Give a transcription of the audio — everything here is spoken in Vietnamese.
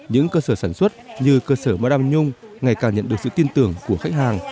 những cơ sở sản xuất như cơ sở madam nhung ngày càng nhận được sự tin tưởng của khách hàng